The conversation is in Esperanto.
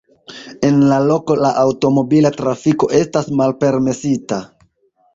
En la loko la aŭtomobila trafiko estas malpermesita.